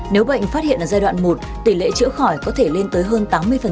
nếu bệnh phát hiện ở giai đoạn một tỷ lệ chữa khỏi có thể lên tới hơn tám mươi